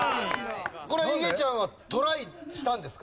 これはいげちゃんはトライしたんですか？